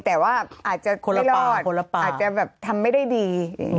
แต่ว่าอาจจะไม่รอดอาจจะทำไม่ได้ดี